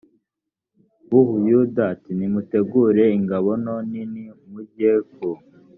w u buyuda ati nimutegure ingabo nto n inini mujye ku